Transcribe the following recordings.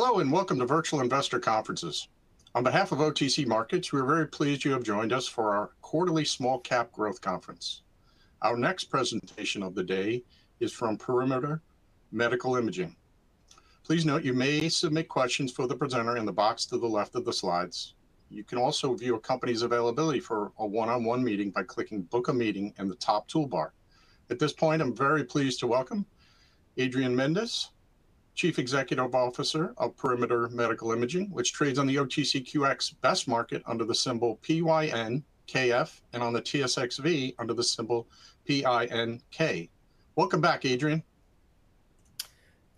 Hello and welcome to Virtual Investor Conferences. On behalf of OTC Markets, we are very pleased you have joined us for our quarterly small-cap growth conference. Our next presentation of the day is from Perimeter Medical Imaging. Please note you may submit questions for the presenter in the box to the left of the slides. You can also view a company's availability for a one-on-one meeting by clicking "Book a Meeting" in the top toolbar. At this point, I'm very pleased to welcome Adrian Mendes, Chief Executive Officer of Perimeter Medical Imaging, which trades on the OTCQX Best Market under the symbol PYNKF and on the TSXV under the symbol PINK. Welcome back, Adrian.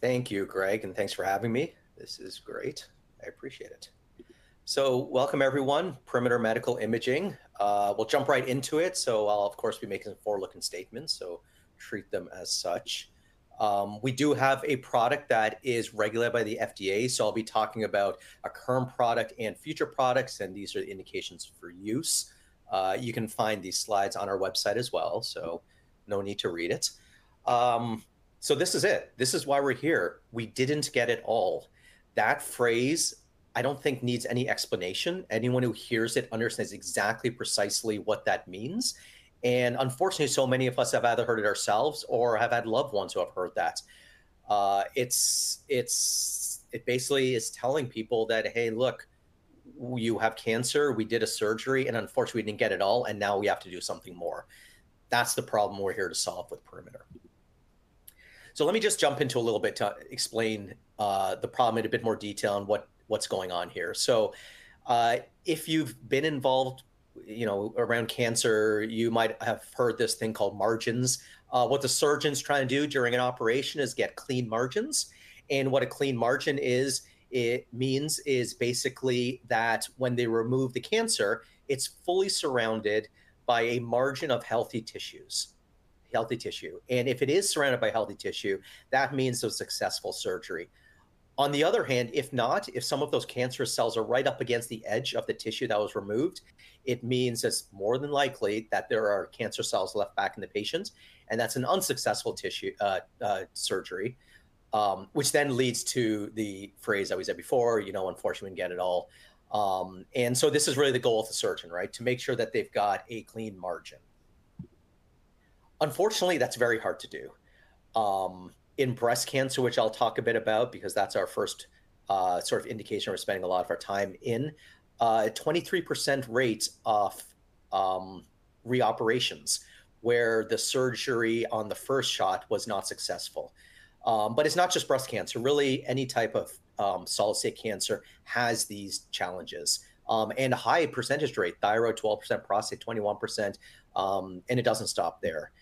Thank you, Greg, and thanks for having me. This is great. I appreciate it, so welcome, everyone. Perimeter Medical Imaging. We'll jump right into it, so I'll, of course, be making forward-looking statements, so treat them as such. We do have a product that is regulated by the FDA, so I'll be talking about a current product and future products, and these are indications for use. You can find these slides on our website as well, so no need to read it, so this is it. This is why we're here. We didn't get it all. That phrase, I don't think, needs any explanation. Anyone who hears it understands exactly, precisely what that means, and unfortunately, so many of us have either heard it ourselves or have had loved ones who have heard that. It basically is telling people that, "Hey, look, you have cancer. We did a surgery, and unfortunately, we didn't get it all, and now we have to do something more." That's the problem we're here to solve with Perimeter. So let me just jump into a little bit to explain the problem in a bit more detail and what's going on here. So if you've been involved around cancer, you might have heard this thing called margins. What the surgeon's trying to do during an operation is get clean margins. And what a clean margin means is basically that when they remove the cancer, it's fully surrounded by a margin of healthy tissues. And if it is surrounded by healthy tissue, that means a successful surgery. On the other hand, if not, if some of those cancer cells are right up against the edge of the tissue that was removed, it means it's more than likely that there are cancer cells left back in the patient, and that's an unsuccessful surgery, which then leads to the phrase I was at before, "You know, unfortunately, we didn't get it all." And so this is really the goal of the surgeon, right, to make sure that they've got a clean margin. Unfortunately, that's very hard to do. In breast cancer, which I'll talk a bit about because that's our first sort of indication we're spending a lot of our time in, a 23% rate of re-operations where the surgery on the first shot was not successful. But it's not just breast cancer. Really, any type of solid tumor cancer has these challenges. A high percentage rate, thyroid 12%, prostate 21%, and it doesn't stop there.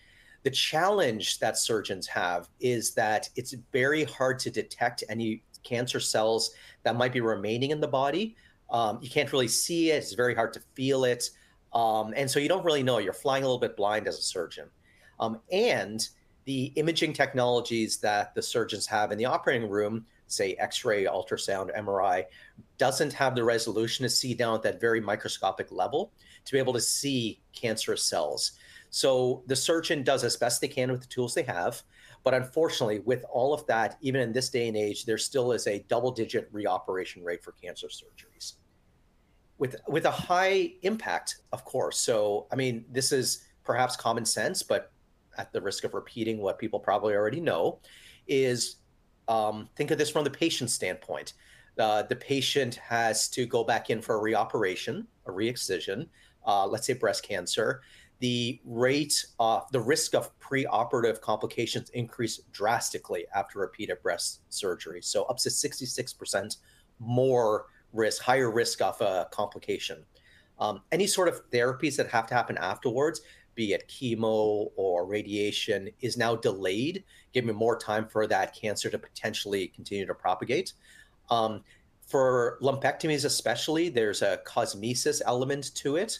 The challenge that surgeons have is that it's very hard to detect any cancer cells that might be remaining in the body. You can't really see it. It's very hard to feel it. And so you don't really know. You're flying a little bit blind as a surgeon. And the imaging technologies that the surgeons have in the operating room, say X-ray, ultrasound, MRI, doesn't have the resolution to see down at that very microscopic level to be able to see cancerous cells. So the surgeon does as best they can with the tools they have. But unfortunately, with all of that, even in this day and age, there still is a double-digit re-operation rate for cancer surgeries. With a high impact, of course. I mean, this is perhaps common sense, but at the risk of repeating what people probably already know. Think of this from the patient's standpoint. The patient has to go back in for a re-operation, a re-excision, let's say breast cancer. The risk of pre-operative complications increases drastically after repeated breast surgery. So up to 66% more risk, higher risk of a complication. Any sort of therapies that have to happen afterwards, be it chemo or radiation, is now delayed, giving more time for that cancer to potentially continue to propagate. For lumpectomies, especially, there's a cosmesis element to it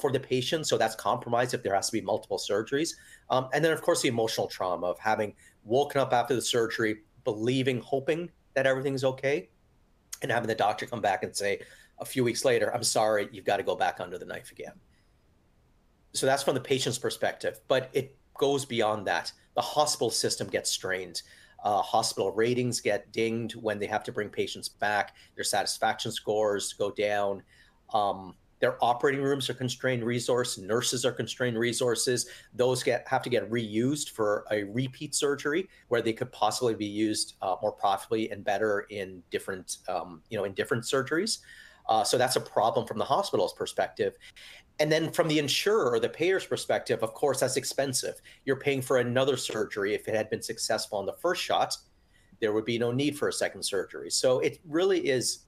for the patient. So that's compromised if there has to be multiple surgeries. And then, of course, the emotional trauma of having woken up after the surgery, believing, hoping that everything's okay, and having the doctor come back and say a few weeks later, "I'm sorry, you've got to go back under the knife again." So that's from the patient's perspective. But it goes beyond that. The hospital system gets strained. Hospital ratings get dinged when they have to bring patients back. Their satisfaction scores go down. Their operating rooms are constrained resources. Nurses are constrained resources. Those have to get reused for a repeat surgery where they could possibly be used more profitably and better in different surgeries. So that's a problem from the hospital's perspective. And then from the insurer, the payer's perspective, of course, that's expensive. You're paying for another surgery. If it had been successful on the first shot, there would be no need for a second surgery. So it really is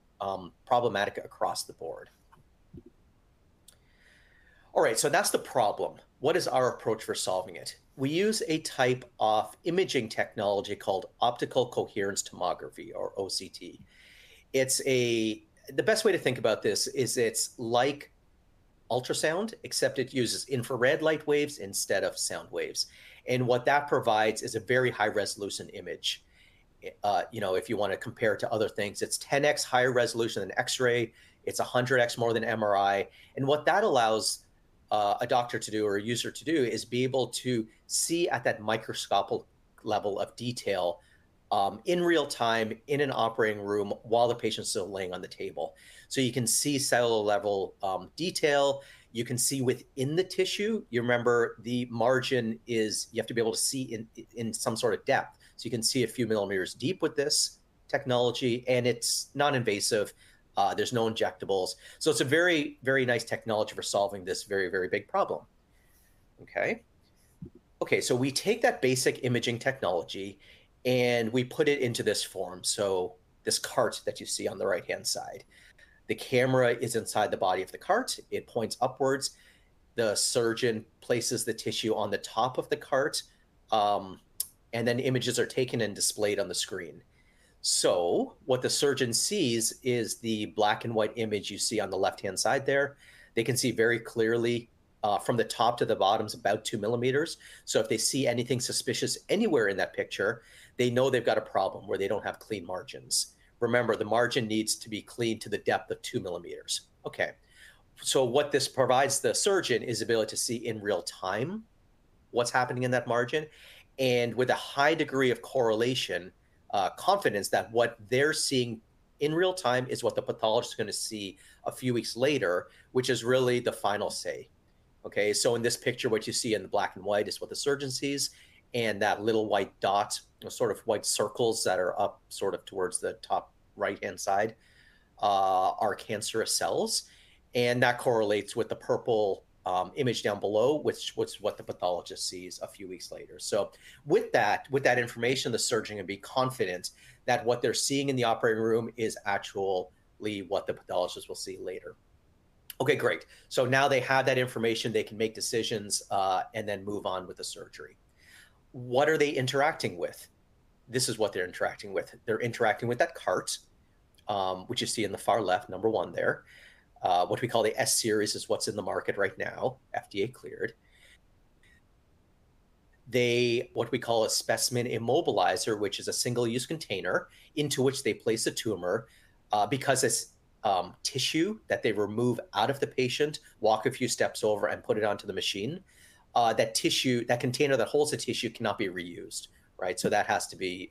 problematic across the board. All right, so that's the problem. What is our approach for solving it? We use a type of imaging technology called optical coherence tomography, or OCT. The best way to think about this is it's like ultrasound, except it uses infrared light waves instead of sound waves. And what that provides is a very high-resolution image. If you want to compare to other things, it's 10x higher resolution than X-ray. It's 100x more than MRI. And what that allows a doctor to do or a user to do is be able to see at that microscopic level of detail in real time in an operating room while the patient's still laying on the table. So you can see cellular level detail. You can see within the tissue. You remember the margin is you have to be able to see in some sort of depth. So you can see a few millimeters deep with this technology, and it's non-invasive. There's no injectables. So it's a very, very nice technology for solving this very, very big problem. Okay. Okay, so we take that basic imaging technology, and we put it into this form. So this cart that you see on the right-hand side, the camera is inside the body of the cart. It points upwards. The surgeon places the tissue on the top of the cart, and then images are taken and displayed on the screen. So what the surgeon sees is the black-and-white image you see on the left-hand side there. They can see very clearly from the top to the bottom is about two millimeters. So if they see anything suspicious anywhere in that picture, they know they've got a problem where they don't have clean margins. Remember, the margin needs to be clean to the depth of 2 millimeters. Okay. So what this provides the surgeon is the ability to see in real time what's happening in that margin. And with a high degree of correlation, confidence that what they're seeing in real time is what the pathologist is going to see a few weeks later, which is really the final say. Okay. So in this picture, what you see in the black and white is what the surgeon sees. And that little white dot, sort of white circles that are up sort of towards the top right-hand side are cancerous cells. And that correlates with the purple image down below, which was what the pathologist sees a few weeks later. So with that information, the surgeon can be confident that what they're seeing in the operating room is actually what the pathologist will see later. Okay, great. So now they have that information. They can make decisions and then move on with the surgery. What are they interacting with? This is what they're interacting with. They're interacting with that cart, which you see in the far left, number one there. What we call the S-Series is what's in the market right now, FDA cleared. What we call a Specimen Immobilizer, which is a single-use container into which they place a tumor because it's tissue that they remove out of the patient, walk a few steps over, and put it onto the machine. That container that holds the tissue cannot be reused, right? So that has to be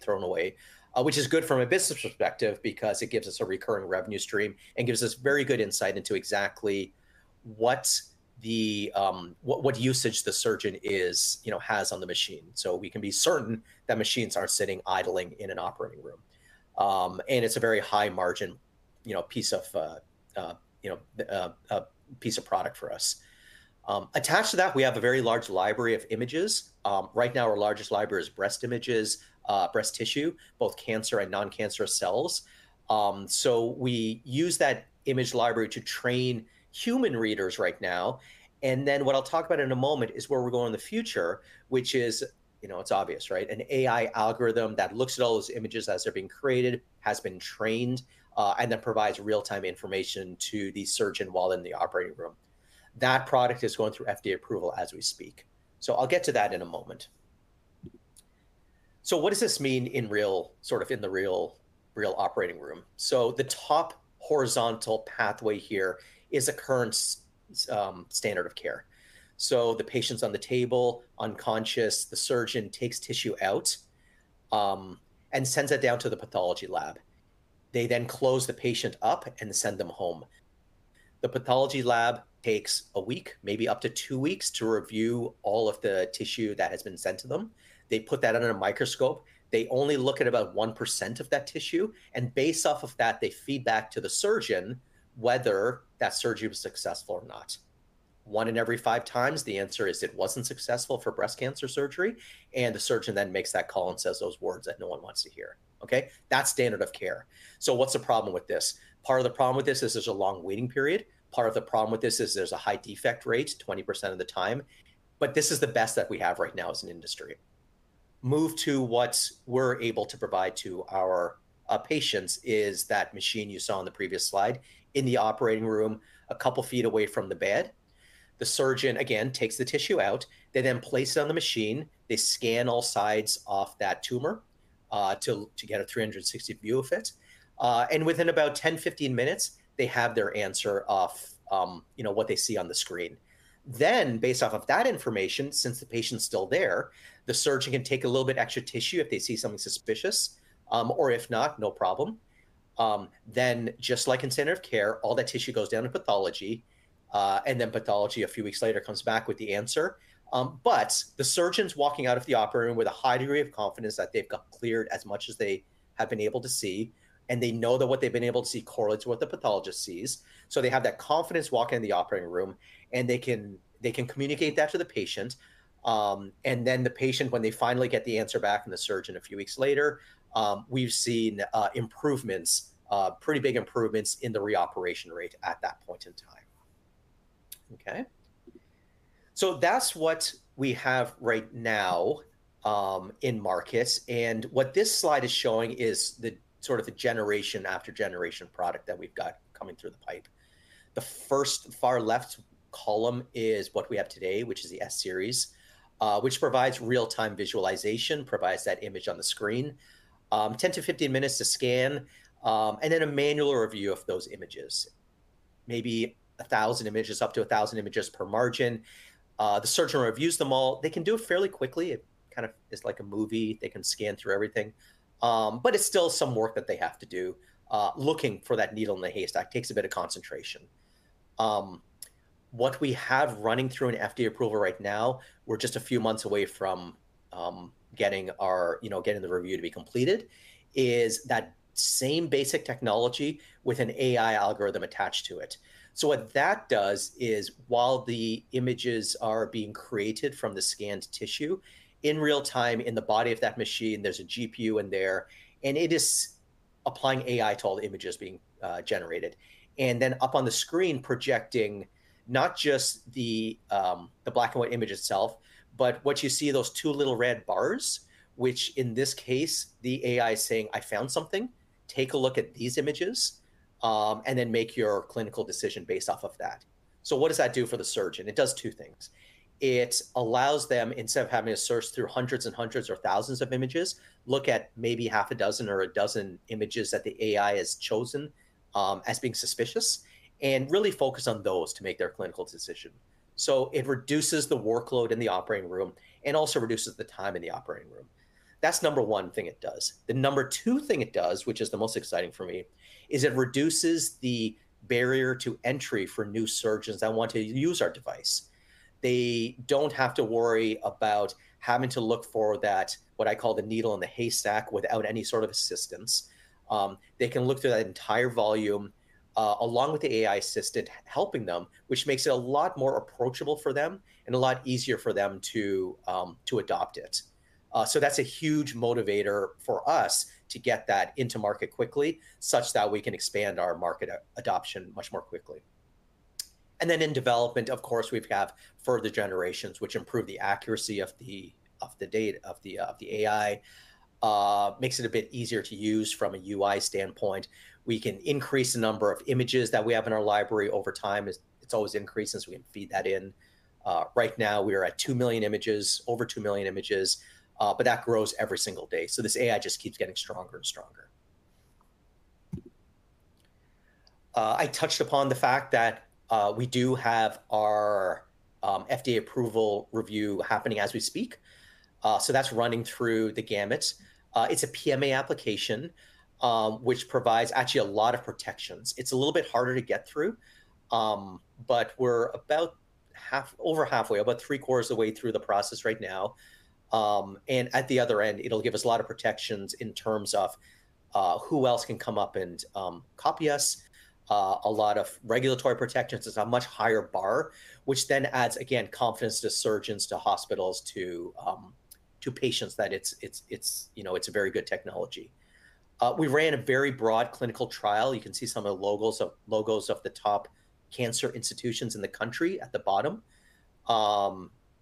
thrown away, which is good from a business perspective because it gives us a recurring revenue stream and gives us very good insight into exactly what usage the surgeon has on the machine. So we can be certain that machines aren't sitting idling in an operating room. And it's a very high-margin piece of product for us. Attached to that, we have a very large library of images. Right now, our largest library is breast images, breast tissue, both cancer and non-cancerous cells. So we use that image library to train human readers right now. And then what I'll talk about in a moment is where we're going in the future, which is, it's obvious, right? An AI algorithm that looks at all those images as they're being created, has been trained, and then provides real-time information to the surgeon while in the operating room. That product is going through FDA approval as we speak. So I'll get to that in a moment. So what does this mean in the real operating room? So the top horizontal pathway here is a current standard of care. So the patient's on the table, unconscious. The surgeon takes tissue out and sends it down to the pathology lab. They then close the patient up and send them home. The pathology lab takes a week, maybe up to two weeks, to review all of the tissue that has been sent to them. They put that under a microscope. They only look at about 1% of that tissue. And based off of that, they feed back to the surgeon whether that surgery was successful or not. One in every five times, the answer is it wasn't successful for breast cancer surgery. The surgeon then makes that call and says those words that no one wants to hear. Okay? That's standard of care. So what's the problem with this? Part of the problem with this is there's a long waiting period. Part of the problem with this is there's a high defect rate 20% of the time. But this is the best that we have right now as an industry. Move to what we're able to provide to our patients is that machine you saw on the previous slide. In the operating room, a couple of feet away from the bed, the surgeon, again, takes the tissue out. They then place it on the machine. They scan all sides of that tumor to get a 360 view of it. And within about 10, 15 minutes, they have their answer of what they see on the screen. Then, based off of that information, since the patient's still there, the surgeon can take a little bit extra tissue if they see something suspicious. Or if not, no problem. Then, just like in standard of care, all that tissue goes down to pathology. And then pathology, a few weeks later, comes back with the answer. But the surgeon's walking out of the operating room with a high degree of confidence that they've got cleared as much as they have been able to see. And they know that what they've been able to see correlates with what the pathologist sees. So they have that confidence walking in the operating room, and they can communicate that to the patient. And then the patient, when they finally get the answer back from the surgeon a few weeks later, we've seen improvements, pretty big improvements in the re-operation rate at that point in time. Okay? So that's what we have right now in markets. And what this slide is showing is sort of the generation-after-generation product that we've got coming through the pipe. The first far left column is what we have today, which is the S-series, which provides real-time visualization, provides that image on the screen, 10-15 minutes to scan, and then a manual review of those images, maybe 1,000 images, up to 1,000 images per margin. The surgeon reviews them all. They can do it fairly quickly. It kind of is like a movie. They can scan through everything. But it's still some work that they have to do looking for that needle in the haystack. Takes a bit of concentration. What we have running through an FDA approval right now, we're just a few months away from getting the review to be completed, is that same basic technology with an AI algorithm attached to it. So what that does is, while the images are being created from the scanned tissue, in real time, in the body of that machine, there's a GPU in there, and it is applying AI to all the images being generated. Then up on the screen, projecting not just the black and white image itself, but what you see, those two little red bars, which in this case, the AI is saying, "I found something. Take a look at these images, and then make your clinical decision based off of that." So what does that do for the surgeon? It does two things. It allows them, instead of having to search through hundreds and hundreds or thousands of images, look at maybe half a dozen or a dozen images that the AI has chosen as being suspicious and really focus on those to make their clinical decision. So it reduces the workload in the operating room and also reduces the time in the operating room. That's the number one thing it does. The number two thing it does, which is the most exciting for me, is it reduces the barrier to entry for new surgeons that want to use our device. They don't have to worry about having to look for that, what I call the needle in the haystack, without any sort of assistance. They can look through that entire volume along with the AI assistant helping them, which makes it a lot more approachable for them and a lot easier for them to adopt it. So that's a huge motivator for us to get that into market quickly, such that we can expand our market adoption much more quickly. And then in development, of course, we have further generations, which improve the accuracy of the data, of the AI. Makes it a bit easier to use from a UI standpoint. We can increase the number of images that we have in our library over time. It's always increased since we can feed that in. Right now, we are at 2 million images, over 2 million images. But that grows every single day. So this AI just keeps getting stronger and stronger. I touched upon the fact that we do have our FDA approval review happening as we speak. So that's running through the gamut. It's a PMA application, which provides actually a lot of protections. It's a little bit harder to get through, but we're over halfway, about three quarters of the way through the process right now. And at the other end, it'll give us a lot of protections in terms of who else can come up and copy us. A lot of regulatory protections. It's a much higher bar, which then adds, again, confidence to surgeons, to hospitals, to patients that it's a very good technology. We ran a very broad clinical trial. You can see some of the logos of the top cancer institutions in the country at the bottom.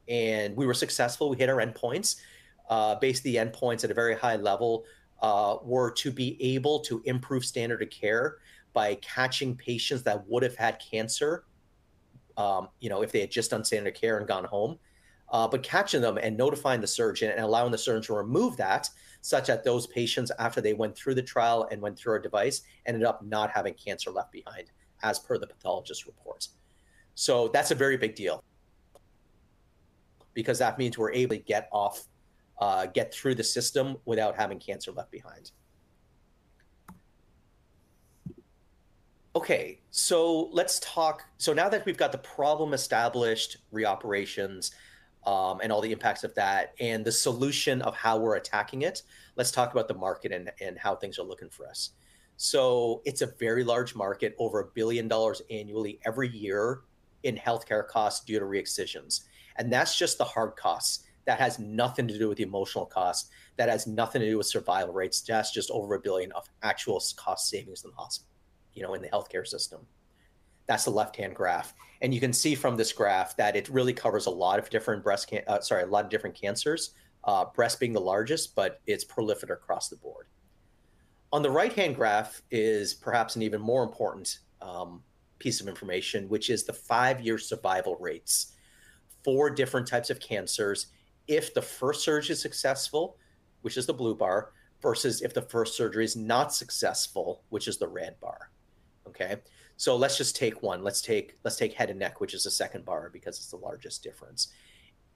And we were successful. We hit our endpoints. Basically, the endpoints at a very high level were to be able to improve standard of care by catching patients that would have had cancer if they had just done standard of care and gone home, but catching them and notifying the surgeon and allowing the surgeon to remove that, such that those patients, after they went through the trial and went through our device, ended up not having cancer left behind, as per the pathologist's reports. So that's a very big deal because that means we're able to get through the system without having cancer left behind. Okay. So now that we've got the problem established, re-operations, and all the impacts of that, and the solution of how we're attacking it, let's talk about the market and how things are looking for us. So it's a very large market, over $1 billion annually every year in healthcare costs due to re-excisions. And that's just the hard costs. That has nothing to do with the emotional costs. That has nothing to do with survival rates. That's just over $1 billion of actual cost savings in the healthcare system. That's the left-hand graph. And you can see from this graph that it really covers a lot of different breast - sorry, a lot of different cancers, breast being the largest, but it's proliferative across the board. On the right-hand graph is perhaps an even more important piece of information, which is the five-year survival rates for different types of cancers if the first surgery is successful, which is the blue bar, versus if the first surgery is not successful, which is the red bar. Okay? So let's just take one. Let's take head and neck, which is the second bar because it's the largest difference.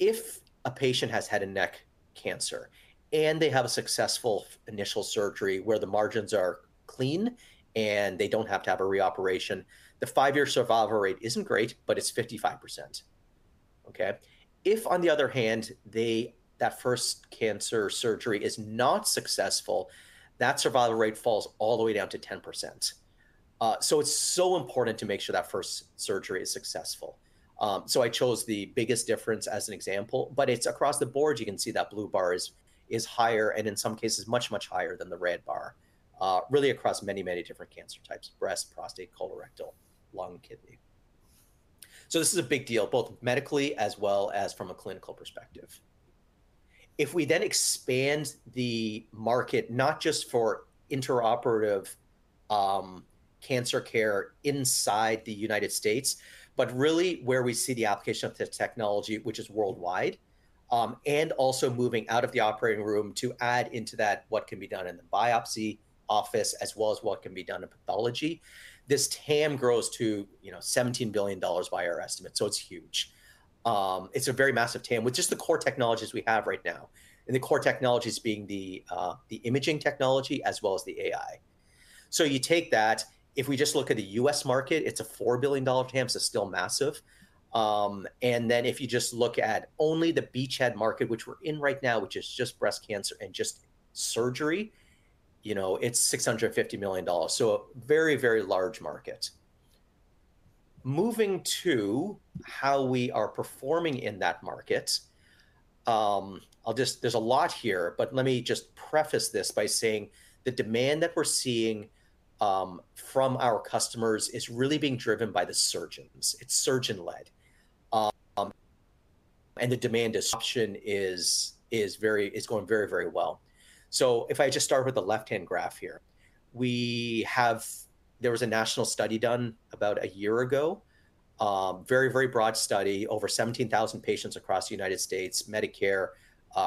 If a patient has head and neck cancer and they have a successful initial surgery where the margins are clean and they don't have to have a re-operation, the five-year survival rate isn't great, but it's 55%. Okay? If, on the other hand, that first cancer surgery is not successful, that survival rate falls all the way down to 10%. So it's so important to make sure that first surgery is successful. So I chose the biggest difference as an example, but it's across the board. You can see that blue bar is higher, and in some cases, much, much higher than the red bar, really across many, many different cancer types: breast, prostate, colorectal, lung, kidney. So this is a big deal, both medically as well as from a clinical perspective. If we then expand the market, not just for intraoperative cancer care inside the United States, but really where we see the application of this technology, which is worldwide, and also moving out of the operating room to add into that what can be done in the biopsy office as well as what can be done in pathology, this TAM grows to $17 billion by our estimate. So it's huge. It's a very massive TAM with just the core technologies we have right now, and the core technologies being the imaging technology as well as the AI. So you take that. If we just look at the U.S. market, it's a $4 billion TAM, so still massive. And then if you just look at only the beachhead market, which we're in right now, which is just breast cancer and just surgery, it's $650 million. So a very, very large market. Moving to how we are performing in that market, there's a lot here, but let me just preface this by saying the demand that we're seeing from our customers is really being driven by the surgeons. It's surgeon-led. And the demand is going very, very well. So if I just start with the left-hand graph here, there was a national study done about a year ago, very, very broad study, over 17,000 patients across the United States, Medicare,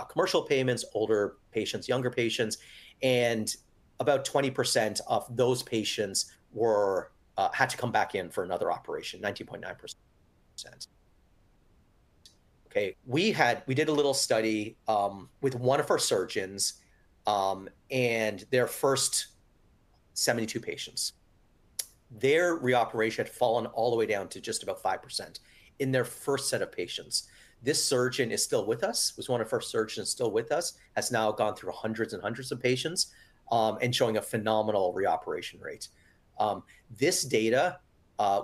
commercial payments, older patients, younger patients. And about 20% of those patients had to come back in for another operation, 19.9%. Okay? We did a little study with one of our surgeons, and their first 72 patients, their re-operation had fallen all the way down to just about 5% in their first set of patients. This surgeon is still with us. It was one of the first surgeons still with us. Has now gone through hundreds and hundreds of patients and showing a phenomenal re-operation rate. This data,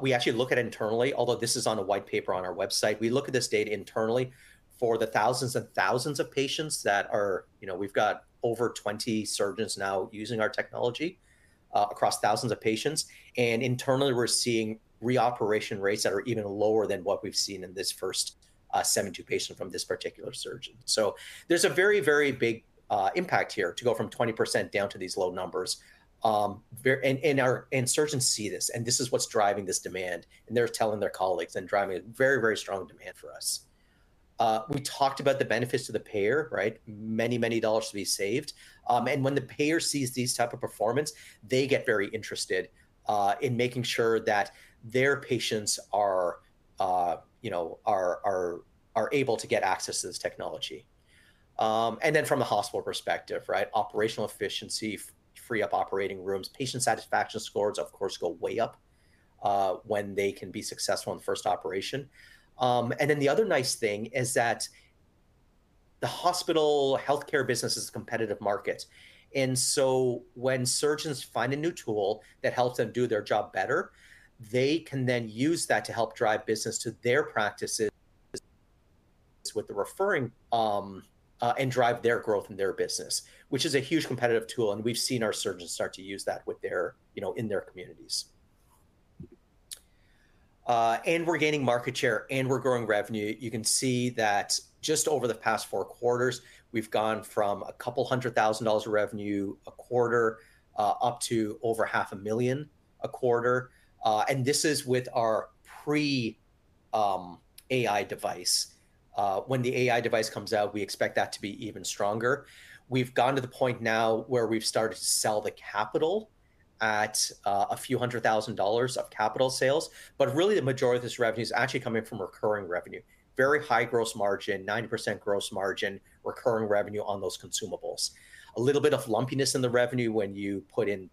we actually look at it internally, although this is on a white paper on our website. We look at this data internally for the thousands and thousands of patients that we've got over 20 surgeons now using our technology across thousands of patients. And internally, we're seeing re-operation rates that are even lower than what we've seen in this first 72 patients from this particular surgeon. So there's a very, very big impact here to go from 20% down to these low numbers. And surgeons see this, and this is what's driving this demand. And they're telling their colleagues and driving a very, very strong demand for us. We talked about the benefits to the payer, right? Many, many dollars to be saved. And when the payer sees these types of performance, they get very interested in making sure that their patients are able to get access to this technology. And then from a hospital perspective, right, operational efficiency, free up operating rooms, patient satisfaction scores, of course, go way up when they can be successful in first operation. And then the other nice thing is that the hospital healthcare business is a competitive market. And so when surgeons find a new tool that helps them do their job better, they can then use that to help drive business to their practices with the referring and drive their growth in their business, which is a huge competitive tool. And we've seen our surgeons start to use that in their communities. And we're gaining market share, and we're growing revenue. You can see that just over the past four quarters, we've gone from $200,000 of revenue a quarter up to over $500,000 a quarter, and this is with our pre-AI device. When the AI device comes out, we expect that to be even stronger. We've gotten to the point now where we've started to sell the capital at a few hundred thousand dollars of capital sales. But really, the majority of this revenue is actually coming from recurring revenue, very high gross margin, 90% gross margin, recurring revenue on those consumables. A little bit of lumpiness in the revenue when you put in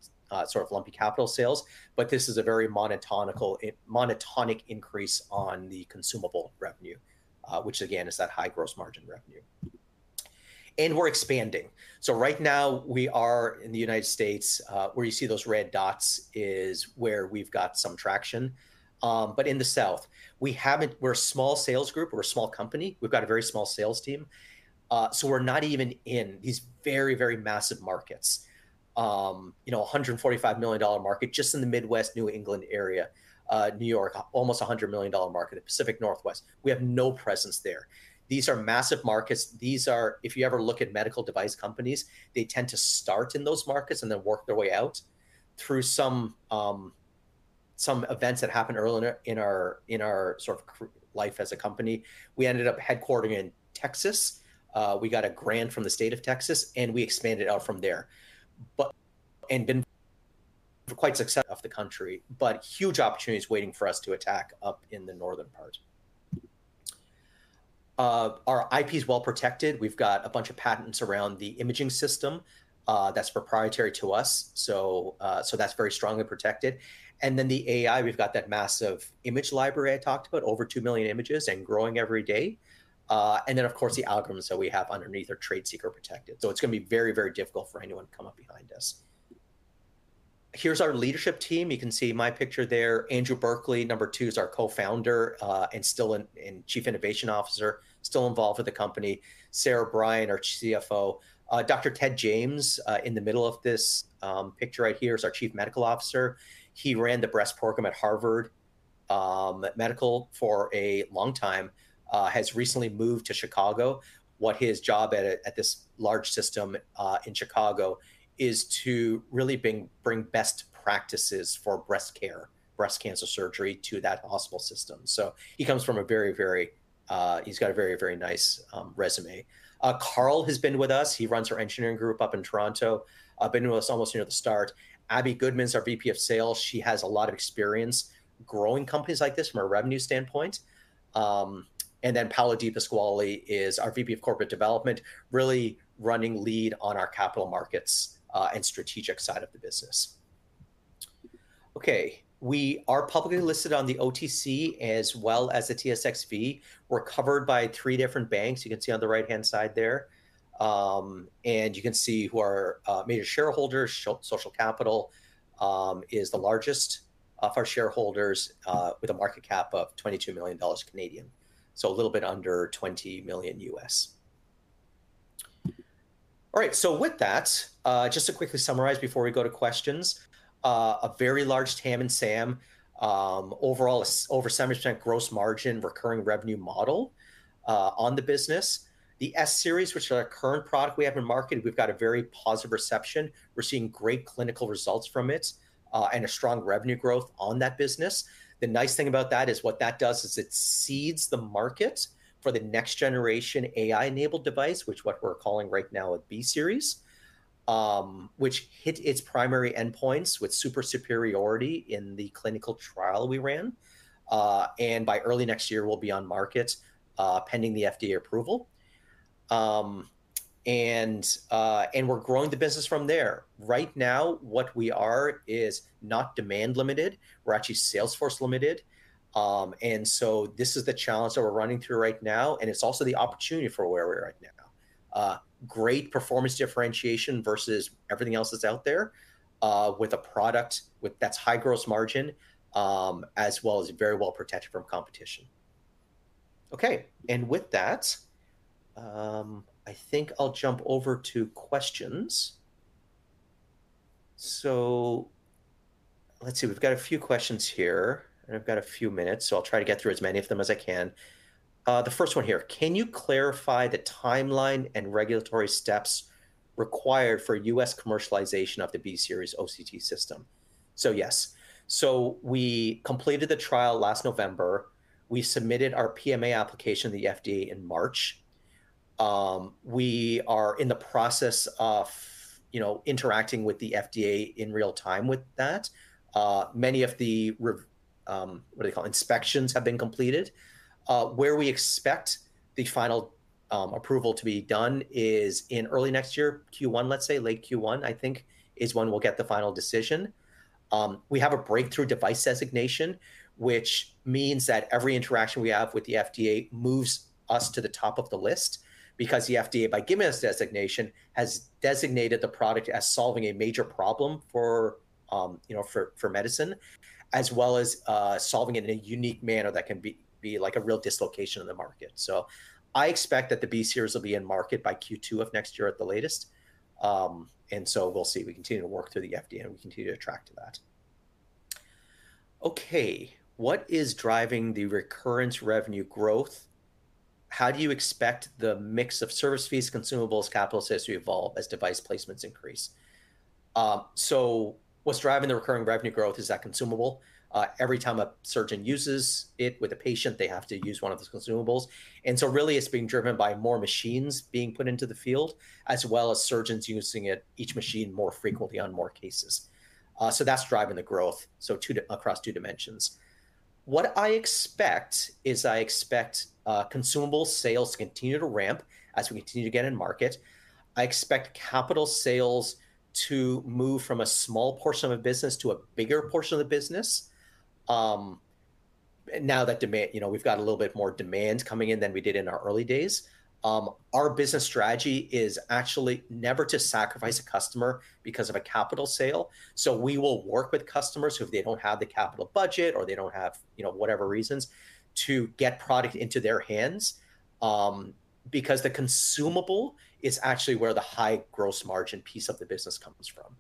sort of lumpy capital sales, but this is a very monotonic increase on the consumable revenue, which, again, is that high gross margin revenue, and we're expanding. So right now, we are in the United States, where you see those red dots is where we've got some traction. But in the South, we're a small sales group. We're a small company. We've got a very small sales team. So we're not even in these very, very massive markets, $145 million market, just in the Midwest, New England area, New York, almost $100 million market, Pacific Northwest. We have no presence there. These are massive markets. If you ever look at medical device companies, they tend to start in those markets and then work their way out through some events that happened early in our sort of life as a company. We ended up headquartering in Texas. We got a grant from the state of Texas, and we expanded out from there and we've been quite successful across the country, but huge opportunities waiting for us to tackle up in the northern part. Our IP is well protected. We've got a bunch of patents around the imaging system that's proprietary to us. So that's very strongly protected. And then the AI, we've got that massive image library I talked about, over two million images and growing every day. And then, of course, the algorithms that we have underneath are trade secret protected. So it's going to be very, very difficult for anyone to come up behind us. Here's our leadership team. You can see my picture there. Andrew Berkeley, number two, is our co-founder and Chief Innovation Officer, still involved with the company. Sarah Bryan, our CFO. Dr. Ted James, in the middle of this picture right here, is our Chief Medical Officer. He ran the breast program at Harvard Medical School for a long time, has recently moved to Chicago. What his job at this large system in Chicago is to really bring best practices for breast care, breast cancer surgery to that hospital system. So he comes from a very, very, he's got a very, very nice resume. Carl has been with us. He runs our engineering group up in Toronto, been with us almost near the start. Abby Goodman's our VP of Sales. She has a lot of experience growing companies like this from a revenue standpoint. And then Paolo DiPasquale is our VP of Corporate Development, really running lead on our capital markets and strategic side of the business. Okay. We are publicly listed on the OTC as well as the TSXV. We're covered by three different banks. You can see on the right-hand side there, and you can see who our major shareholders Social Capital is the largest of our shareholders with a market cap of 22 million Canadian dollars Canadian, so a little bit under $20 million US. All right, so with that, just to quickly summarize before we go to questions, a very large TAM and SAM, overall, over 70% gross margin, recurring revenue model on the business. The S-Series, which is our current product we have in market, we've got a very positive reception. We're seeing great clinical results from it and a strong revenue growth on that business. The nice thing about that is what that does is it seeds the market for the next generation AI-enabled device, which is what we're calling right now a B-Series, which hit its primary endpoints with superiority in the clinical trial we ran. And by early next year, we'll be on market pending the FDA approval. And we're growing the business from there. Right now, what we are is not demand limited. We're actually sales force limited. And so this is the challenge that we're running through right now. And it's also the opportunity for where we are right now. Great performance differentiation versus everything else that's out there with a product that's high gross margin as well as very well protected from competition. Okay. And with that, I think I'll jump over to questions. So let's see. We've got a few questions here, and I've got a few minutes, so I'll try to get through as many of them as I can. The first one here, can you clarify the timeline and regulatory steps required for U.S. commercialization of the B-Series OCT system? So yes. So we completed the trial last November. We submitted our PMA application to the FDA in March. We are in the process of interacting with the FDA in real time with that. Many of the, what they call inspections have been completed. Where we expect the final approval to be done is in early next year, Q1, let's say, late Q1, I think, is when we'll get the final decision. We have a Breakthrough Device Designation, which means that every interaction we have with the FDA moves us to the top of the list because the FDA, by giving us designation, has designated the product as solving a major problem for medicine as well as solving it in a unique manner that can be like a real dislocation in the market, so I expect that the B-Series will be in market by Q2 of next year at the latest, and so we'll see. We continue to work through the FDA, and we continue to track to that. Okay. What is driving the recurrent revenue growth? How do you expect the mix of service fees, consumables, capital assist to evolve as device placements increase? So what's driving the recurring revenue growth is that consumable. Every time a surgeon uses it with a patient, they have to use one of those consumables. And so really, it's being driven by more machines being put into the field as well as surgeons using each machine more frequently on more cases. So that's driving the growth across two dimensions. What I expect is I expect consumable sales to continue to ramp as we continue to get in market. I expect capital sales to move from a small portion of the business to a bigger portion of the business. Now that we've got a little bit more demand coming in than we did in our early days, our business strategy is actually never to sacrifice a customer because of a capital sale. So we will work with customers who, if they don't have the capital budget or they don't have whatever reasons, to get product into their hands because the consumable is actually where the high gross margin piece of the business comes from.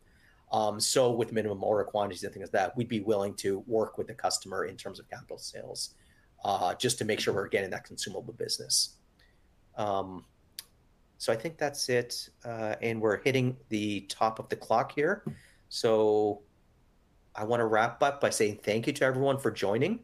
So with minimum order quantities and things like that, we'd be willing to work with the customer in terms of capital sales just to make sure we're getting that consumable business. So I think that's it. And we're hitting the top of the clock here. So I want to wrap up by saying thank you to everyone for joining.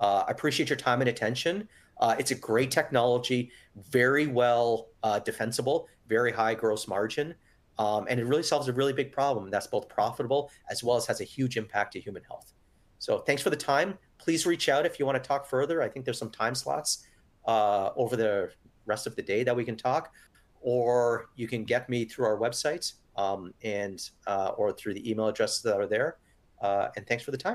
I appreciate your time and attention. It's a great technology, very well defensible, very high gross margin. And it really solves a really big problem. That's both profitable as well as has a huge impact to human health. So thanks for the time. Please reach out if you want to talk further. I think there's some time slots over the rest of the day that we can talk. Or you can get me through our website or through the email addresses that are there, and thanks for the time.